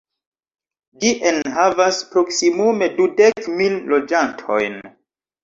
Ĝi enhavas proksimume dudek mil loĝantojn.